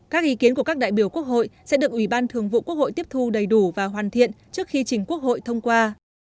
các ý kiến của các đại biểu quốc hội sẽ được ủy ban thường vụ quốc hội tiếp thu đầy đủ và hoàn thiện trước khi chỉnh quốc hội thông qua